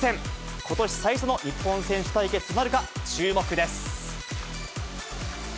ことし最初の日本選手対決となるか、注目です。